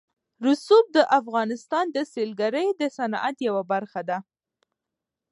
رسوب د افغانستان د سیلګرۍ د صنعت یوه برخه ده.